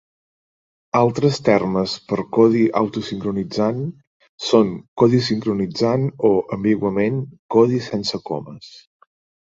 Altres termes per codi auto sincronitzant són codi sincronitzat o, ambiguament, codi sense comes.